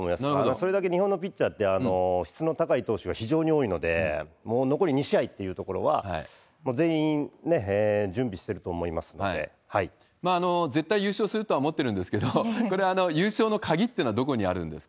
それだけ日本のピッチャーって、質の高い投手が非常に多いので、もう残り２試合っていうところは、もう全員ね、準備してると思いま絶対優勝するとは思ってるんですけど、これは優勝の鍵っていうのはどこにあるんですか？